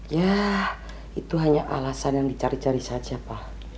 ya itu hanya alasan yang dicari cari saja pak